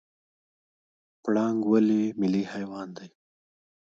پړانګ ولې ملي حیوان دی؟